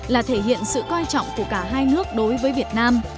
là thể hiện sự coi trọng của cả hai nước đối với việt nam